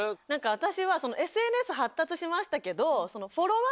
私はＳＮＳ発達しましたけど。